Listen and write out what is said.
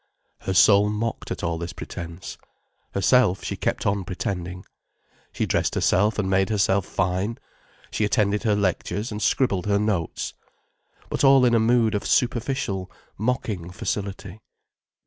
Her soul mocked at all this pretence. Herself, she kept on pretending. She dressed herself and made herself fine, she attended her lectures and scribbled her notes. But all in a mood of superficial, mocking facility.